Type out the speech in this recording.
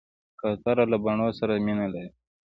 کوتره له بڼو سره مینه لري.